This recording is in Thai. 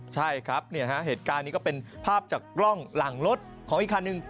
ใช่ครับเหตุการณ์นี้ก็เป็นภาพจากกล้องหลังรถของอีกคันหนึ่ง